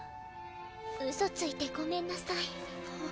ウソついてごめんなさい！